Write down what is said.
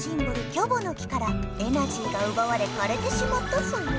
「キョボの木」からエナジーがうばわれかれてしまったソヨ。